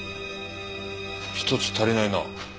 １つ足りないな。